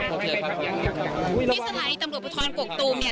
ที่สถานีตำรวจภูทรกกตูมเนี่ย